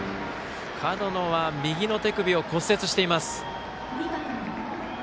門野は右の手首を骨折しています。